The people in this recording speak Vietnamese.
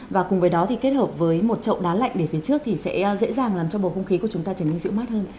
và cùng với đó thì kết hợp với một chậu đá lạnh để phía trước thì sẽ dễ dàng làm cho bầu không khí của chúng ta trở nên dịu mát hơn